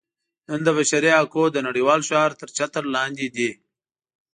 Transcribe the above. نن د بشري حقونو د نړیوال شعار تر چتر لاندې دي.